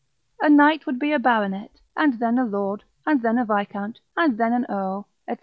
A knight would be a baronet, and then a lord, and then a viscount, and then an earl, &c.